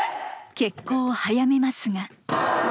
決行を早めますが。